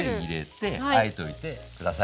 あえといて下さい。